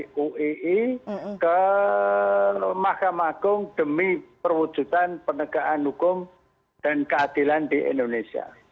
dari uii ke mahkamah agung demi perwujudan penegakan hukum dan keadilan di indonesia